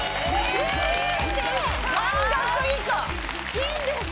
いいんです？